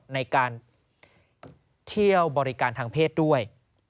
ในการเที่ยวบริการทางเพศด้วย